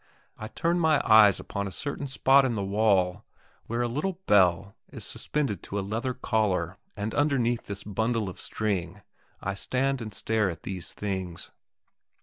I turn my eyes upon a certain spot in the wall, where a little bell is suspended to a leather collar, and underneath this a bundle of string, and I stand and stare at these things.